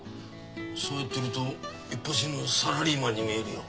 そうやってるといっぱしのサラリーマンに見えるよ。